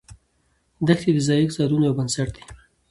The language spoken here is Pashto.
دښتې د ځایي اقتصادونو یو بنسټ دی.